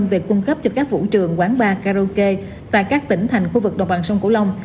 về cung cấp cho các vũ trường quán bar karaoke và các tỉnh thành khu vực đồng bằng sông cửu long